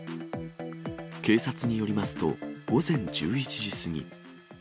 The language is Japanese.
警察によりますと、午前１１時過ぎ。